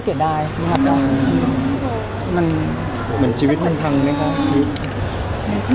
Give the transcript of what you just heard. เหมือนชีวิตมันพังไหม